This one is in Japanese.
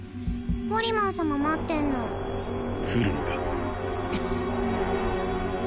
ポリマン様待ってんの来るのか？